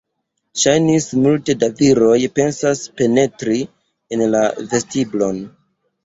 Ŝajnis, multe da viroj penas penetri en la vestiblon.